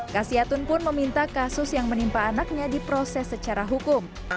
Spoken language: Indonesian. kasyatun pun meminta kasus yang menimpa anaknya diproses secara hukum